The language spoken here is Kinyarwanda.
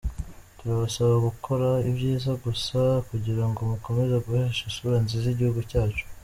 Turabasaba guzakora ibyiza gusa kugirango mukomeze guhesha isura nziza igihugu cyacu.